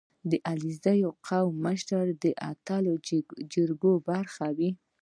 • د علیزي قوم مشران تل د جرګو برخه وي.